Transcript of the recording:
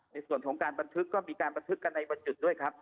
ในส่วนของการบันทึกก็มีการบันทึกกันในวันจุดด้วยครับ